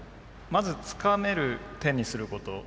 まずつかめる手にすること。